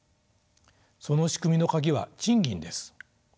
その仕組みの鍵は賃金です。